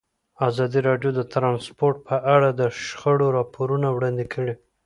ازادي راډیو د ترانسپورټ په اړه د شخړو راپورونه وړاندې کړي.